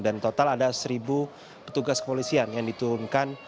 dan total ada seribu petugas kepolisian yang diturunkan